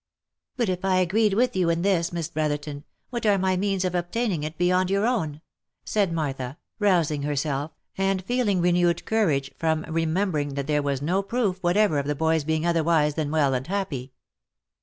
" But if I agreed with you in this, Miss Brotherton, what are my means of obtaining it beyond your own?" said Martha, rousing her self, and feeling renewed courage from remembering that there was no proof whatever of the boy's being otherwise than well and happy.